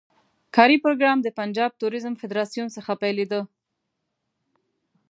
کاري پروګرام د پنجاب توریزم فدراسیون څخه پیلېده.